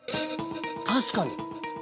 確かに！